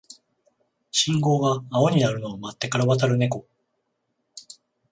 信号が青になるのを待ってから渡るネコ